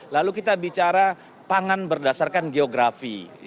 lalu kita bicara pangan berdasarkan geografi